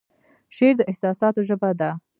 شعر د احساساتو ژبه ده